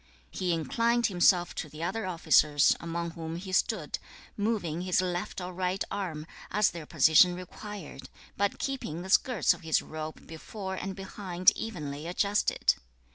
2. He inclined himself to the other officers among whom he stood, moving his left or right arm, as their position required, but keeping the skirts of his robe before and behind evenly adjusted.